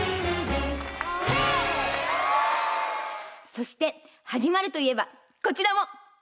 そして始まるといえばこちらも！